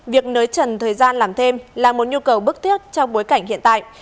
việc nới trần thời gian làm thêm là một nhu cầu bức thiết trong bối cảnh hiện tại